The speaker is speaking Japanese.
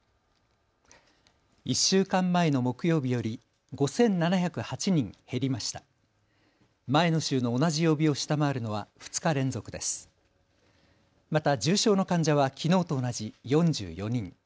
１週間前の木曜日より５７０８人減りました。